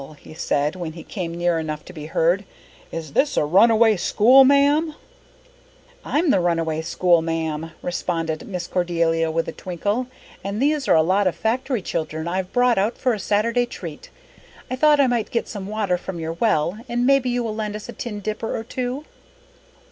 he said, when he came near enough to be heard. "Is this a runaway school, ma'am?" "I'm the runaway schoolma'am," responded Miss Cordelia with a twinkle. "And these are a lot of factory children I've brought out for a Saturday treat. I thought I might get some water from your well, and maybe you will lend us a tin dipper or two?"